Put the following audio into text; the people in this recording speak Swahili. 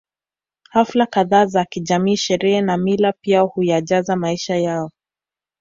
Hafla kadhaa za kijamii sherehe na mila pia huyajaza maisha yao